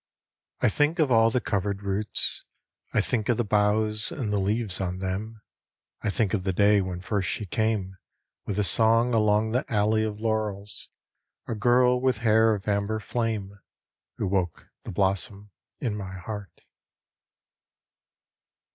I think of all the covered roots ; I think of the boughs and the leaves on them ; I think of the day when first she came With a song along the alley of laurels, A girl with hair of amber flame, Who woke the blossom in my heart.